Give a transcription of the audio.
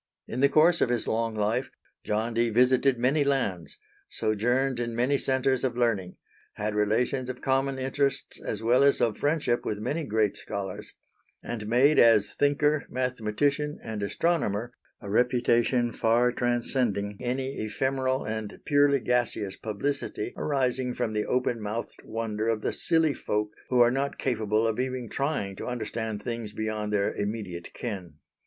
In the course of his long life John Dee visited many lands, sojourned in many centres of learning, had relations of common interests as well as of friendship with many great scholars, and made as thinker, mathematician, and astronomer, a reputation far transcending any ephemeral and purely gaseous publicity arising from the open mouthed wonder of the silly folk who are not capable of even trying to understand things beyond their immediate ken.